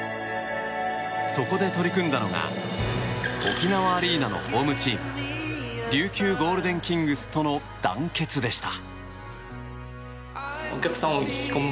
そこで取り組んだのが沖縄アリーナのホームチーム琉球ゴールデンキングスとの団結でした。